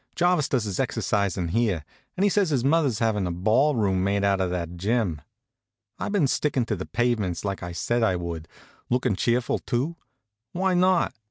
Jarvis does his exercisin' here, and he says his mother's havin' a ball room made out of that gym. I've been stickin' to the pavements, like I said I would. Lookin' cheerful, too? Why not?